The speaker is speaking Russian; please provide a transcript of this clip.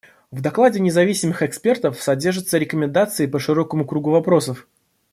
В докладе независимых экспертов содержатся рекомендации по широкому кругу вопросов.